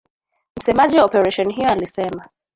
Msemaji wa operesheni hiyo alisema.